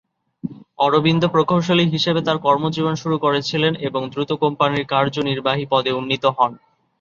অরবিন্দ প্রকৌশলী হিসেবে তার কর্মজীবন শুরু করেছিলেন এবং দ্রুত কোম্পানির কার্যনির্বাহী পদে উন্নীত হন।